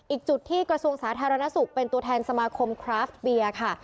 อีกจุดที่กระทรวงสาธารณสุขเป็นตัวแทนสมาคมคราฟเบียร์ค่ะ